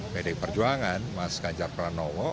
pdi perjuangan mas ganjar pranowo